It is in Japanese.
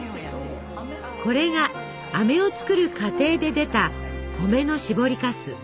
これがあめを作る過程で出た米のしぼりかす。